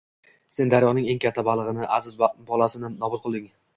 “Sen daryoning eng katta balig’ini, aziz bolasini nobud qilding